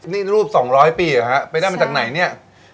นี่รูป๒๐๐ปีเหรอฮะไปได้มาจากไหนเนี่ย